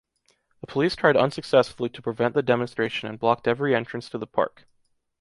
The police tried unsuccessfully to prevent the demonstration and blocked every entrance to the park.